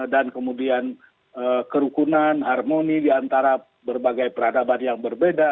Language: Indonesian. dan kemudian kerukunan harmoni di antara berbagai peradaban yang berbeda